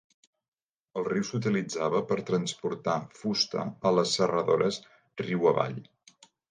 El riu s'utilitzava per transportar fusta a les serradores riu avall.